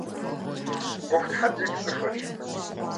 Ӏуэхутхьэбзэри щӀыхуэщ.